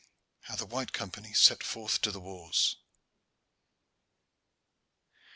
HOW THE WHITE COMPANY SET FORTH TO THE WARS.